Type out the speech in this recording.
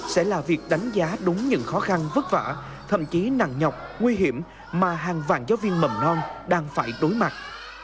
sẽ là việc đánh giá đúng những khó khăn vất vả thậm chí nặng nhọc nguy hiểm mà hàng vàng giáo viên mầm non đang phải đối mặt